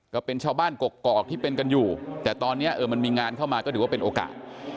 ก็เป็นชาวบ้านกกอกที่เป็นกันอยู่แต่ตอนนี้มันมีงานเข้ามาก็ถือว่าเป็นโอกาส